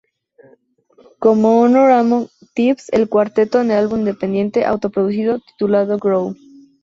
Como Honor Among Thieves, el cuarteto del álbum independiente auto-producido titulado "Grow".